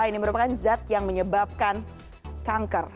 ini merupakan zat yang menyebabkan kanker